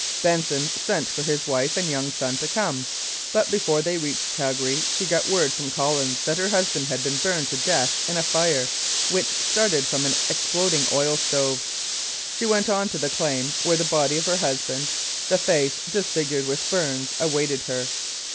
Benson sent for his wife and young son to come, but before they reached Calgary she got word from Collins that her husband had been burned to death in a fire which started from an exploding oil stove. She went on to the claim, where the body of her husband, the face disfigured with burns, awaited her.